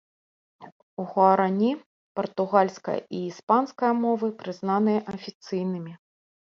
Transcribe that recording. Гуарані, партугальская і іспанская мовы прызнаныя афіцыйнымі.